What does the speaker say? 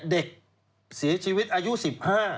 เด็กเสียชีวิตอายุสิบห้า